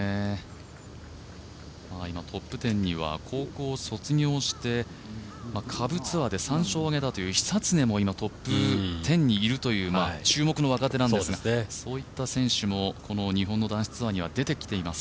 今、トップ１０には高校卒業して下部ツアーで３勝を挙げた久常もトップ１０にいるという注目の若手なんですが、そういった選手も日本のツアーに出てきています。